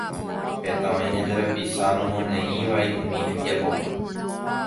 Heta oĩ ñande rapicha nomoneívai umi hembiapokue.